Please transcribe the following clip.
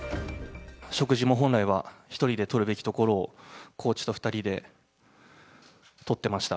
食事も本来は１人でとるべきところを、コーチと２人でとってました。